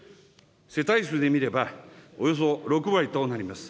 世帯数で見ればおよそ６割となります。